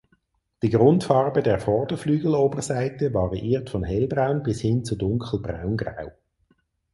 Die Grundfarbe der Vorderflügeloberseite variiert von hellbraun bis hin zu dunkel braungrau.